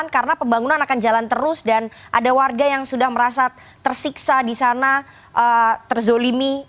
karena pembangunan akan jalan terus dan ada warga yang sudah merasa tersiksa di sana terzolimi